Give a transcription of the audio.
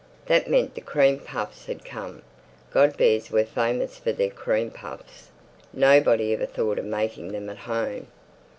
That meant the cream puffs had come. Godber's were famous for their cream puffs. Nobody ever thought of making them at home.